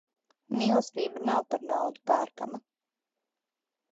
Mīlestība nav par naudu pērkama.